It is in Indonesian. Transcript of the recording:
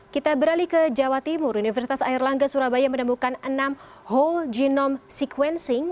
kita beralih ke jawa timur universitas airlangga surabaya menemukan enam whole genome sequencing